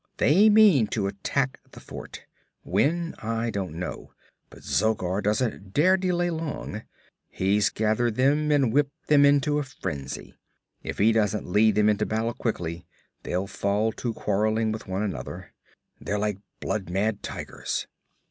They mean to attack the fort; when, I don't know, but Zogar doesn't dare delay long. He's gathered them and whipped them into a frenzy. If he doesn't lead them into battle quickly, they'll fall to quarreling with one another. They're like blood mad tigers.